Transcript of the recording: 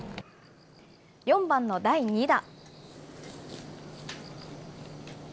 ４番の第２打。